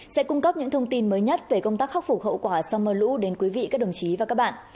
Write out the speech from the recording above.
sẽ cung cấp những thông tin mới nhất về công tác khắc phục hậu quả sau mưa lũ đến quý vị các đồng chí và các bạn